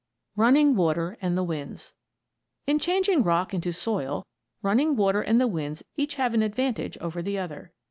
RUNNING WATER AND THE WINDS In changing rock into soil, running water and the winds each have an advantage over the other.